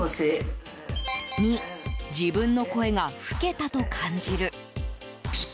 ２、自分の声が老けたと感じる。